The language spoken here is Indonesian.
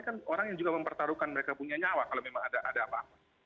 kan orang yang juga mempertaruhkan mereka punya nyawa kalau memang ada apa apa